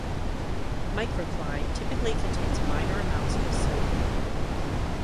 Microcline typically contains minor amounts of sodium.